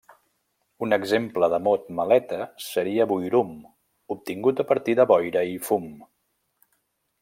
Un exemple de mot maleta seria boirum, obtingut a partir de boira i fum.